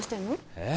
えっ？